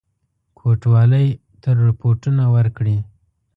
کوټوالی ته رپوټونه ورکړي.